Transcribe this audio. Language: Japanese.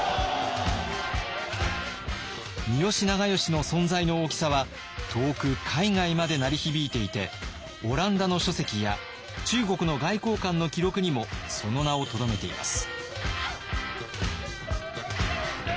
三好長慶の存在の大きさは遠く海外まで鳴り響いていてオランダの書籍や中国の外交官の記録にもその名をとどめています。